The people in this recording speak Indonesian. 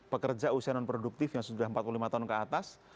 pekerja usia non produktif yang sudah empat puluh lima tahun ke atas